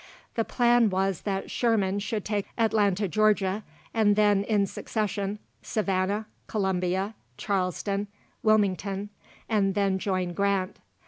The plan was that Sherman should take Atlanta, Georgia, and then, in succession, Savannah, Columbia, Charleston, Wilmington, and then join Grant.